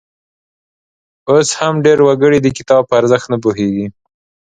اوس هم ډېر وګړي د کتاب په ارزښت نه پوهیږي.